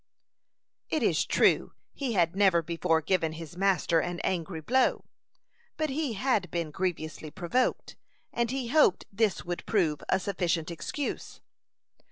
It is true, he had never before given his master an angry blow; but he had been grievously provoked, and he hoped this would prove a sufficient excuse.